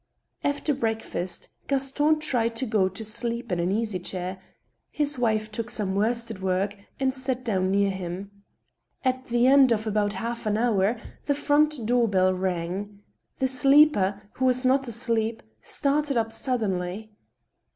After breakfast, Gaston tried to go to sleep in an easy chair. His wife took some worsted work and sat down near him. At the end of about half an hour, the front door bell rang^ The sleeper, who was not asleep, started up suddenly.